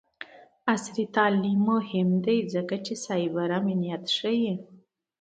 عصري تعلیم مهم دی ځکه چې سایبر امنیت ښيي.